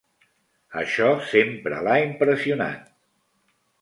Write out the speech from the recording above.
Això sempre l'ha impressionat.